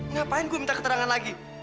ngapain gue minta keterangan lagi